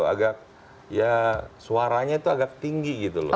agak ya suaranya itu agak tinggi gitu loh